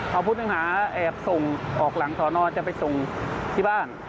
พวกนักงานแอบส่งออกหลังสนจะไปส่งที่บ้าน